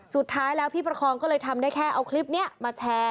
สุดท้ายแล้วพี่ประคองก็เลยทำได้แค่เอาคลิปนี้มาแชร์